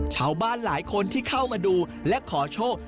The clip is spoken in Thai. ชาวบ้านหลายคนที่เข้ามาดูและขอโชค